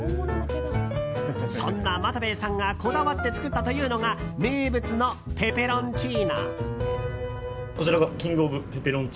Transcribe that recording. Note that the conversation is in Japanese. そんな、またべぇさんがこだわって作ったというのが名物のペペロンチーノ。